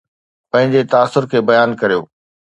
پنهنجي تاثر کي بيان ڪريو